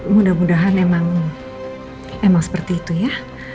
mudah mudahan emang seperti itu ya